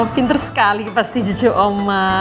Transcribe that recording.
pinter sekali pasti cucu oma